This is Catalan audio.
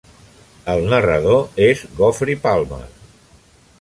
El narrador és Geoffrey Palmer.